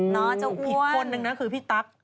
เนอะเจ้าอ้วนอีกคนหนึ่งนะคือพี่ตั๊ก